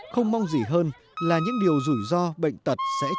không mong gì hơn là những điều rủi ro bệnh tật sẽ chết